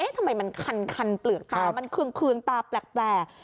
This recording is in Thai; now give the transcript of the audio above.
ทำไมมันคันเปลือกตามันเคืองตาแปลก